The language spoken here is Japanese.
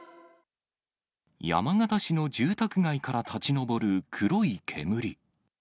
山形市の住宅街から立ち上る黒い煙。